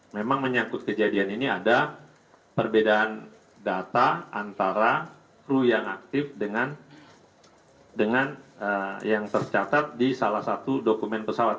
memang menyangkut kejadian ini ada perbedaan data antara kru yang aktif dengan yang tercatat di salah satu dokumen pesawat